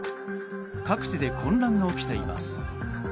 各地で混乱が起きています。